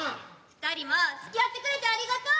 二人もつきあってくれてありがとう。